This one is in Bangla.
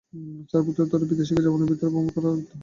ছাড়পত্র ছাড়া বিদেশীকে জাপানের ভিতরে ভ্রমণ করতে দেয় না।